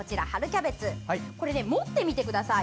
持ってみてください。